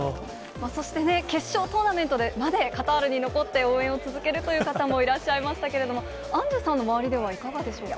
そしてね、決勝トーナメントまでカタールに残って応援を続けるという方もいらっしゃいましたけれども、アンジュさんの周りではいかがでしょうか？